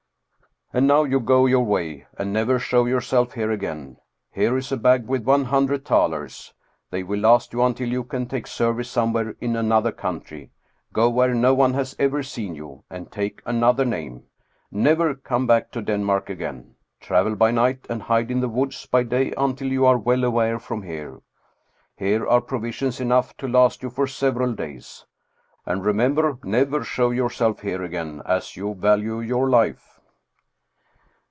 " And now, go your way, and never show yourself here again. Here is a bag with one hundred thalers. They will last you until you can take service somewhere in another coun try. Go where no one has ever seen you, and take another name. Never come back to Denmark again. Travel by night, and hide in the woods by day until you are well away from here. Here are provisions enough to last you for 303 Scandinavian Mystery Stories several days. And remember, never show yourself here again, as you value your life."